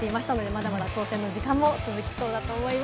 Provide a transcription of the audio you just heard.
まだまだ挑戦の時間が続きそうだと思います。